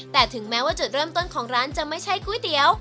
แต่ถึงแม้ที่มันจำเป็นกู้ตี๋ว